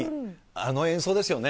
あの演奏ですよね。